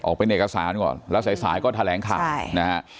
เป็นเอกสารก่อนแล้วสายก็แถลงข่าวนะฮะ